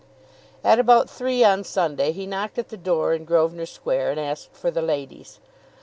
At about three on Sunday he knocked at the door in Grosvenor Square and asked for the ladies.